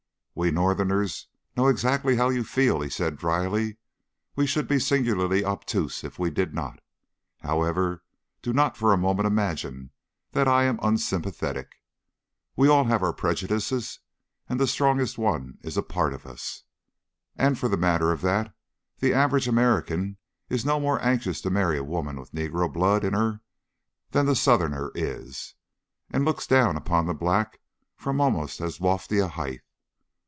"We Northerners know exactly how you feel," he said dryly. "We should be singularly obtuse if we did not. However, do not for a moment imagine that I am unsympathetic. We all have our prejudices, and the strongest one is a part of us. And for the matter of that, the average American is no more anxious to marry a woman with negro blood in her than the Southerner is, and looks down upon the Black from almost as lofty a height.